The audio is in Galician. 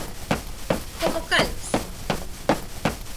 Como cales?